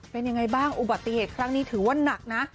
เป็นยังไงบ้างอุบัติเหตุครั้งนี้ถือว่าหนักนะ